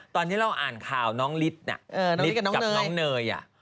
ตอนที่เราอ่านข่าวน้องฤทธิ์ฤทธิ์กับน้องเนย